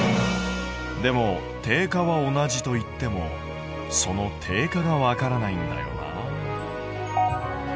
でも定価は同じといってもその定価がわからないんだよな。